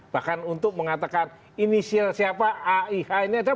bahkan untuk mengatakan inisial siapa aih ini ada